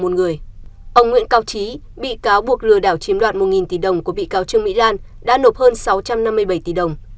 ông nguyễn cao trí bị cáo buộc lừa đảo chiếm đoạt một tỷ đồng của bị cáo trương mỹ lan đã nộp hơn sáu trăm năm mươi bảy tỷ đồng